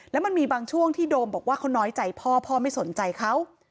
แล้วมันมีบางช่วงที่โดมบอกว่าเขาน้อยใจพ่อพ่อไม่สนใจเขา